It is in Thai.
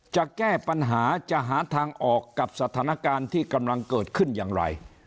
จะแก้ปัญหาจะหาทางออกกับสถานการณ์ที่กำลังเกิดขึ้นอย่างไร